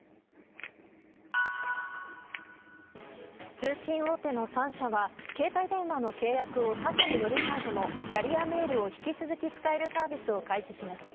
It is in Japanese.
通信大手の３社は携帯電話の契約を他社に乗り換えてもキャリアメールを引き続き使えるサービスを開始します。